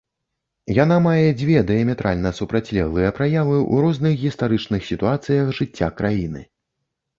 Яна мае дзве дыяметральна супрацьлеглыя праявы ў розных гістарычных сітуацыях жыцця краіны.